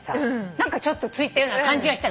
何かちょっとついたような感じがしたの。